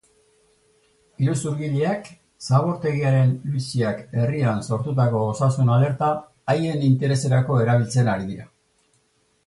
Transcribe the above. Iruzurgileak zabortegiaren luiziak herrian sortutako osasun-alerta haien interesetarako erabiltzen ari dira.